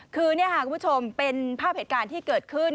คือนี่ค่ะคุณผู้ชมเป็นภาพเหตุการณ์ที่เกิดขึ้น